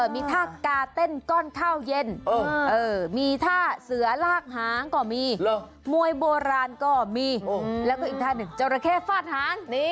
มีท่ากาเต้นก้อนข้าวเย็นมีท่าเสือลากหางก็มีมวยโบราณก็มีแล้วก็อีกท่าหนึ่งจราเข้ฟาดหาง